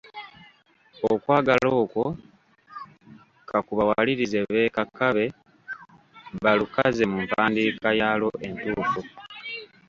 Okwagala okwo kakubawalirize beekakabe, balukaze mu mpandiika yaalwo entuufu.